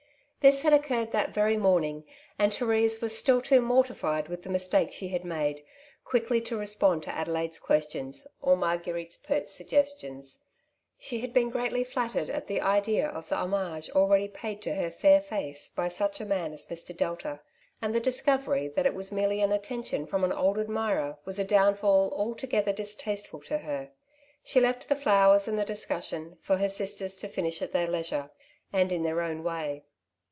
This had occurred that very morning, and Therise was still too mortified with the mistake she had made, quickly to respond to Adelaide's questions; or Marguerite's pert suggestions. She had been greatly flattered at the idea of the homage already paid to her fair face by such a man as Mr. Delta, and the discovery that it was merely an attention from an old admirer, was a downfall altogether distasteful to her. She left the flowers and the discussion, for her sisters to finish at their leisure, and in their own way.